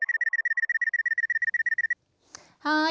はい！